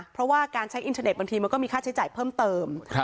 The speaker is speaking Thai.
เพราะว่าการใช้อินเทอร์เน็ตบางทีมันก็มีค่าใช้จ่ายเพิ่มเติม